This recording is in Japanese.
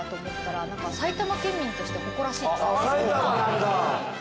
埼玉なんだ。